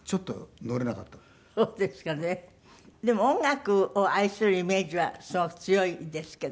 でも音楽を愛するイメージはすごく強いですけど。